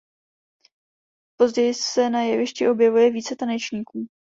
Později se na jevišti objevuje více tanečníků.